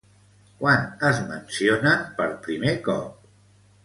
Quan es mencionen per primer cop?